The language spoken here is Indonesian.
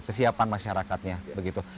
kesiapan masyarakatnya begitu